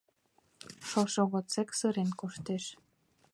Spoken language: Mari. Шошо годсек сырен коштеш.